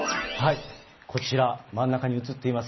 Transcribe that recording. こちら、真ん中に写っています